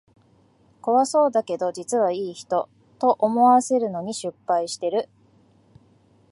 怖そうだけど実はいい人、と思わせるのに失敗してる